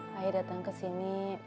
saya datang kesini